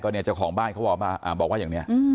เนี่ยเจ้าของบ้านเขาบอกว่าอย่างนี้